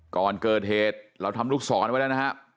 ก่อนเกิดเหตุเราทำลูกศรไว้แล้วนะฮะ